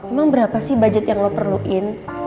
emang berapa sih budget yang lo perluin